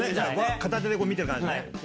片手で見てる感じね。